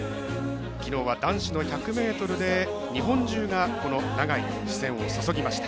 きのうは男子の１００ｍで日本中がこの長居に視線を注ぎました。